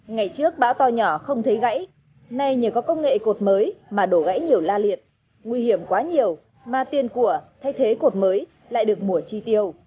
ngày trước bão to nhỏ không thấy gãy nay nhờ có công nghệ cột mới mà đổ gãy nhiều la liệt nguy hiểm quá nhiều mà tiền của thay thế cột mới lại được mùa chi tiêu